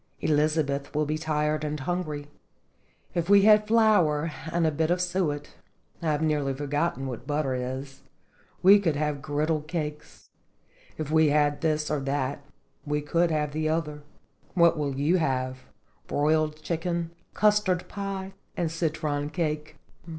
"Elizabeth will be tired and hungry. If we had flour and a bit of suet (I have nearly for gotten what butter is), we could have some griddle cakes. If we had this or that, we could have the other. What will you have? broiled chicken, custard pie, and citron cake?"